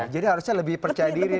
jadi harusnya lebih percaya diri nih